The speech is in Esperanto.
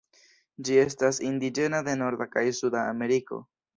Ĝi estas indiĝena de Norda kaj Suda Ameriko.